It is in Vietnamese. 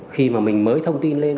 khi mà mình mới thông tin lên